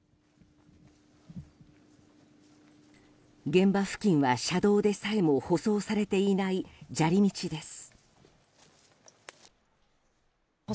現場付近は、車道でさえも舗装されていない砂利道です。